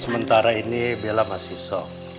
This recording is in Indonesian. sementara ini bella masih so